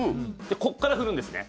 ここから、振るんですね。